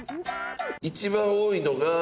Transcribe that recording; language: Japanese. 一番多いのが。